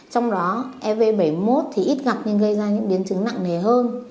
trong đó ev bảy mươi một thì ít gặp nên gây ra những biến chứng nặng nề hơn